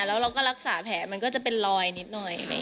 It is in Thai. แล้วเราก็รักษาแผลมันก็จะเป็นรอยนิดหน่อย